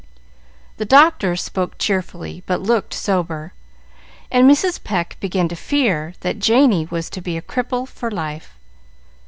The doctor spoke cheerfully, but looked sober, and Mrs. Pecq began to fear that Janey was to be a cripple for life.